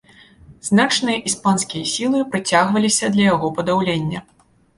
Значныя іспанскія сілы прыцягваліся для яго падаўлення.